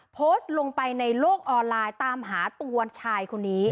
โพสต์ลงไปในโลกออนไลน์ตามหาตัวชายคนนี้